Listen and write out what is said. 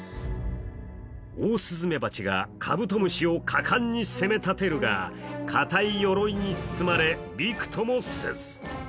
オオスズメバチがカブトムシを果敢に攻めたてるが堅いよろいに包まれびくともせず。